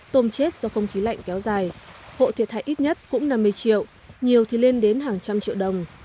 tôm chết do không khí lạnh kéo dài hộ thiệt hại ít nhất cũng năm mươi triệu nhiều thì lên đến hàng trăm triệu đồng